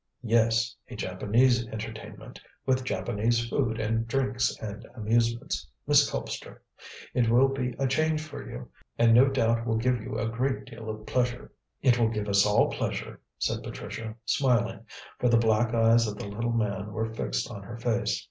"Yes! A Japanese entertainment, with Japanese food and drinks and amusements, Miss Colpster. It will be a change for you, and no doubt will give you a great deal of pleasure." "It will give us all pleasure," said Patricia, smiling, for the black eyes of the little man were fixed on her face.